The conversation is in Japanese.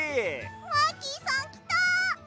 マーキーさんきた！